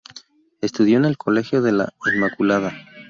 Estudió en el Colegio de la Inmaculada.